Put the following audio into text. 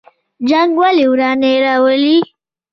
جنګ ولې ورانی راوړي؟